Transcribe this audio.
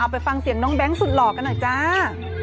ไปฟังเสียงน้องแบงสูตรหลอกกันน่ะจ้า